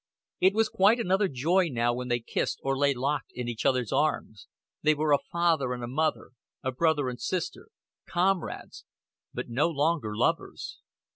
It was quite another joy now when they kissed or lay locked in each other's arms: they were a father and a mother, a brother and sister, comrades but no longer lovers.